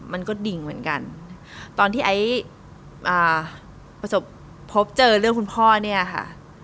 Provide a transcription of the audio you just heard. มันก็ดิ่งเหมือนกันตอนที่ไอ้ประสบพบเจอเรื่องคุณพ่อเนี่ยค่ะ